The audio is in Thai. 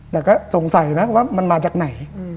แต่ก็สงสัยนะว่ามันมาจากไหน